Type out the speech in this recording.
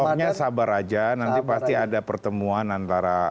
pokoknya sabar aja nanti pasti ada pertemuan antara